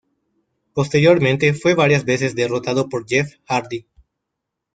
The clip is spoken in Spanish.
Posteriormente fue varias veces derrotado por Jeff Hardy.